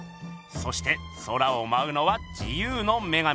そして空をまうのは自由の女神。